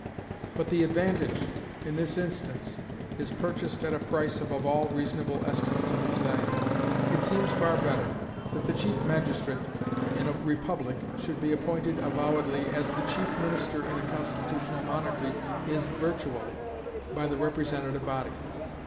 But the advantage, in this instance, is purchased at a price above all reasonable estimates of its value. It seems far better that the chief magistrate in a republic should be appointed avowedly, as the chief minister in a constitutional monarchy is virtually, by the representative body.